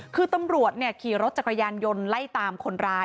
คือตำรวจขี่รถจักรยานยนต์ไล่ตามคนร้าย